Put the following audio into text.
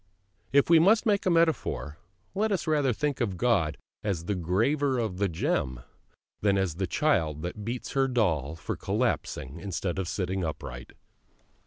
If we must take a metaphor, let us rather think of God as the graver of the gem than as the child that beats her doll for collapsing instead of sitting upright.